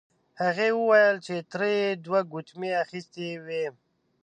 هغې وویل چې تره یې دوه ګوتمۍ اخیستې وې.